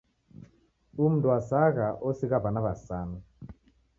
Umundu wasagha osigha w'ana w'asanu.